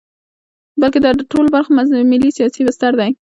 بلکې دا د ټولو برخو ملي سیاسي بستر دی.